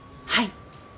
はい。